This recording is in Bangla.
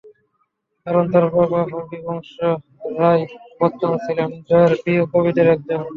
কারণ তাঁর বাবা হরিবংশ রাই বচ্চন ছিলেন জয়ার প্রিয় কবিদের একজন।